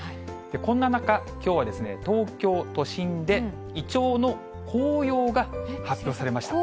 こんな中、きょうは東京都心でイチョウの黄葉が発表されました。